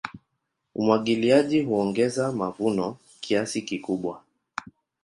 Umwagiliaji huongeza mavuno kiasi kikubwa.